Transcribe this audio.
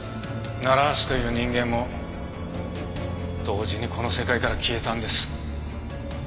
楢橋という人間も同時にこの世界から消えたんです。